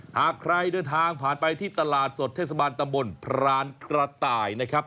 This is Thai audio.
หากใครเดินทางผ่านไปที่ตลาดสดเทศบาลตำบลพรานกระต่ายนะครับ